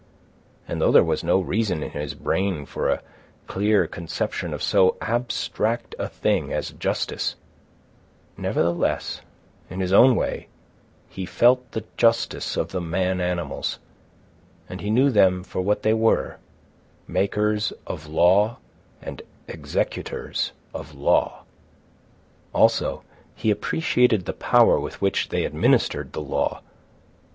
And though there was no reason in his brain for a clear conception of so abstract a thing as justice, nevertheless, in his own way, he felt the justice of the man animals, and he knew them for what they were—makers of law and executors of law. Also, he appreciated the power with which they administered the law.